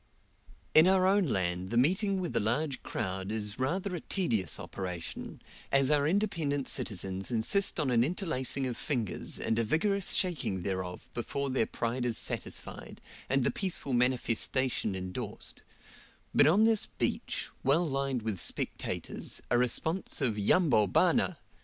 In our own land the meeting with a large crowd is rather a tedious operation, as our independent citizens insist on an interlacing of fingers, and a vigorous shaking thereof before their pride is satisfied, and the peaceful manifestation endorsed; but on this beach, well lined with spectators, a response of "Yambo, bana!"